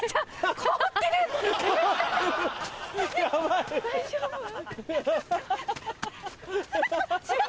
凍ってた？